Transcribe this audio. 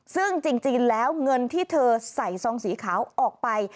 ซึ่งจริงแล้วเงินที่เธอใส่ซองสีขาวออกไป